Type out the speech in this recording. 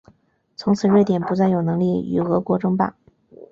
从此瑞典不再有能力与俄国争霸。